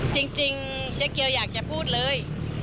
จริงจริงเจ๊เกียวอยากจะพูดเลย